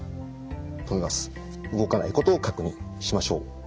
動かないことを確認しましょう。